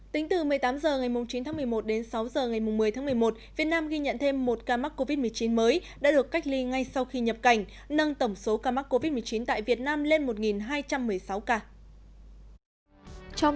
tính từ một mươi tám h ngày chín tháng một mươi một đến sáu h ngày một mươi tháng một mươi một việt nam ghi nhận thêm một ca mắc covid một mươi chín mới đã được cách ly ngay sau khi nhập cảnh nâng tổng số ca mắc covid một mươi chín tại việt nam lên một hai trăm một mươi sáu ca